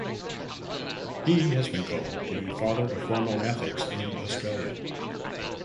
He has been called "The Father of Formal Methods in Australia".